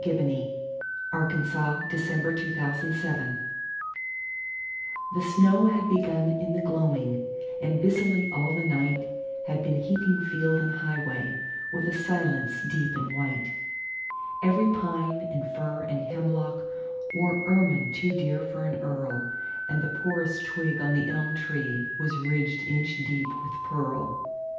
1900. By James RussellLowell 351 The First Snow Fall THE SNOW had begun in the gloaming, And busily all the nightHad been heaping field and highwayWith a silence deep and white. Every pine and fir and hemlockWore ermine too dear for an earl, And the poorest twig on the elm treeWas ridged inch deep with pearl.